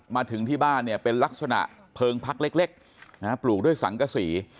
มาถึงที่บ้านเนี่ยเป็นลักษณะเพลิงพักเล็กปลูกด้วยสังกษี